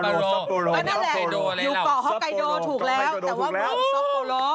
นั่นแหละอยู่ก่อฮอกกายโดถูกแล้วแต่ว่ากลมซัปโปโร